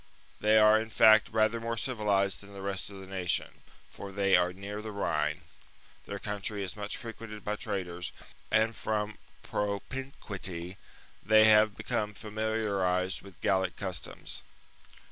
They are in fact rather more civilized than the rest of the nation ; for they are near the Rhine, their country is much frequented by traders, and, from propinquity, they have become familiarized with Gallic customs.